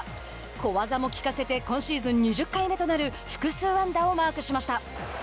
小技もきかせて今シーズン２０回目となる複数安打をマークしました。